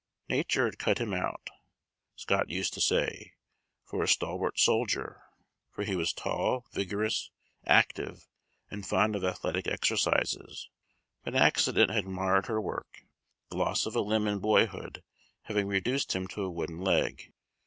Nature had cut him out, Scott used to say, for a stalwart soldier, for he was tall, vigorous, active, and fond of athletic exercises, but accident had marred her work, the loss of a limb in boyhood having reduced him to a wooden leg.